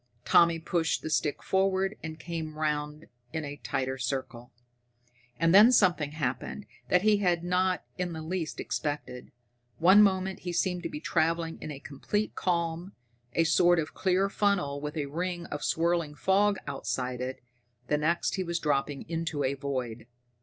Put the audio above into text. Tommy pushed the stick forward and came round in a tighter circle. And then something happened that he had not in the least expected. One moment he seemed to be traveling in a complete calm, a sort of clear funnel with a ring of swirling fog outside it the next he was dropping into a void!